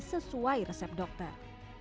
sesuai resep dokter